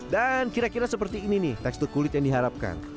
dan kira kira seperti ini nih tekstur kulit yang diharapkan